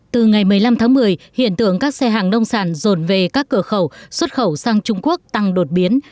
từ ngày một mươi năm tháng một mươi hiện tượng các xe hàng nông sản rồn về các cửa khẩu xuất khẩu sang trung quốc tăng đột biến